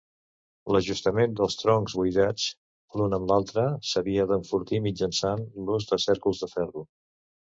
L'ajustament dels troncs buidats l'un amb l'altre s'havia d'enfortir mitjançant l'ús de cèrcols de ferro.